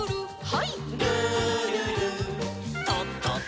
はい。